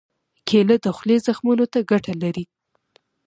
کېله د خولې زخمونو ته ګټه لري.